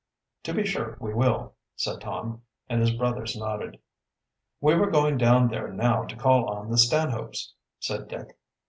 "To be sure we will," said Tom, and his brothers nodded. "We were going down there now to call on the Stanhopes," said Dick.